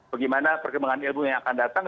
bagaimana perkembangan ilmunya akan datang